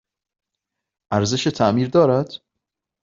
ارزش تعمیر دارد؟